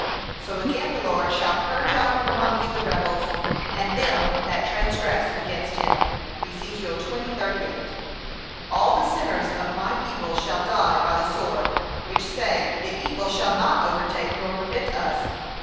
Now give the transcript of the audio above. So again the Lord shall 'purge out from among you the rebels, and them that transgress against him.' (Ezek. 20:38) 'All the sinners of my people shall die by the sword, which say, The evil shall not overtake nor prevent us.'